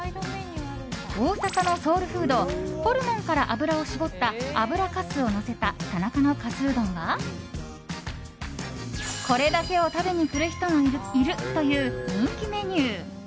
大阪のソウルフードホルモンから油を絞った油かすをのせた田中のかすうどんはこれだけを食べに来る人もいるという人気メニュー。